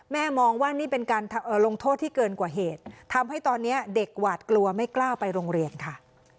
มองว่านี่เป็นการลงโทษที่เกินกว่าเหตุทำให้ตอนนี้เด็กหวาดกลัวไม่กล้าไปโรงเรียนค่ะ